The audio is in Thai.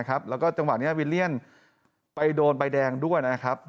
แล้วก็จังหวะนี้วิลเลียนไปโดนใบแดงด้วยนะครับ